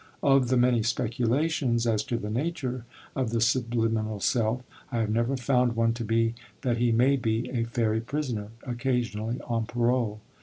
Of the many speculations as to the nature of the subliminal Self I have never found one to be that he may be a fairy prisoner, occasionally on parole.